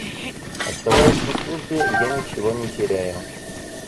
Оставаясь на службе, я ничего не теряю.